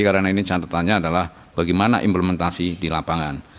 karena ini catatannya adalah bagaimana implementasi di lapangan